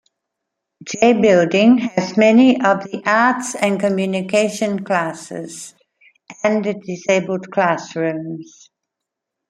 J-Building has many of the arts and communication classes, and disabled classrooms.